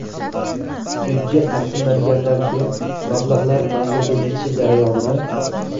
Byudjet taqsimlangandan keyin mablag‘lar manzilga yetishi jarayonida